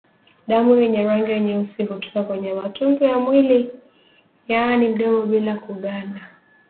Damu yenye rangi nyeusi kutoka kwenye matundu ya mwili yaani mdomo bila kuganda